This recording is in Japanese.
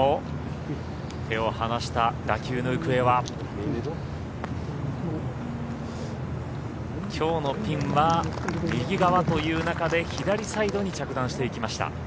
手を放した打球の行方はきょうのピンは右側という中で左サイドに着弾していきました。